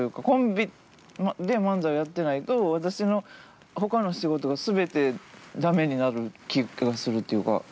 コンビで漫才をやってないと、私のほかの仕事が全てだめになる気がするというか。